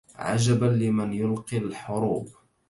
عجبا لمن يلقى الحروب